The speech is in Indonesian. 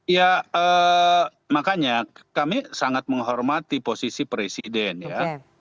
ya makanya kami sangat menghormati posisi presiden ya